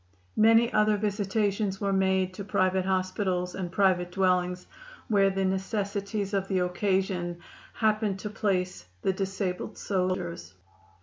Many other visitations were made to private hospitals and private dwellings, where the necessities of the occasion happened to place the disabled soldiers.